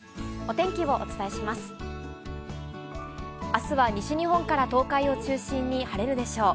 あすは西日本から東海を中心に晴れるでしょう。